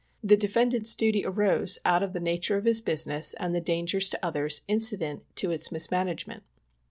The defendant's duty arose out of the nature of his business and the dangers io others incident to its mismanagement.